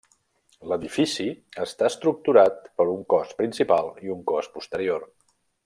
L'edifici està estructurat per un cos principal i un cos posterior.